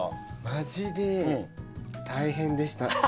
マジで大変でした。